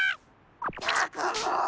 ったくもう！